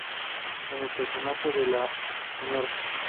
El personaje de la Sra.